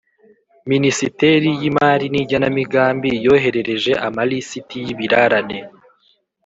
Minisiteri y Imari n Igenamigambi yoherereje amalisiti y’ ibirarane